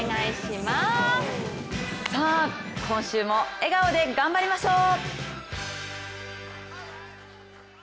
今週も笑顔で頑張りましょう！